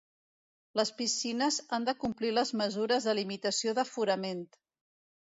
Les piscines han de complir les mesures de limitació d'aforament.